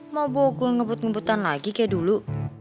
mau buku ngebut ngebutan lagi kayak dulu